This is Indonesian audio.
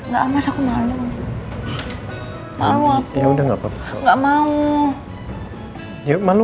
gak mas aku malu